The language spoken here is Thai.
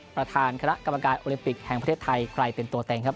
ประธานคณะกรรมการโอลิมปิกแห่งประเทศไทยใครเป็นตัวเต็งครับ